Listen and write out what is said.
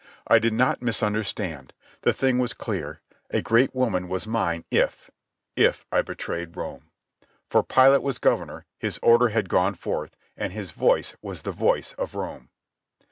I did not misunderstand. The thing was clear. A great woman was mine if ... if I betrayed Rome. For Pilate was governor, his order had gone forth; and his voice was the voice of Rome.